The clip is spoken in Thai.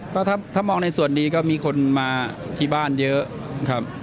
ก็ถ้ามองในส่วนนี้ก็มีคนมาที่บ้านเยอะครับ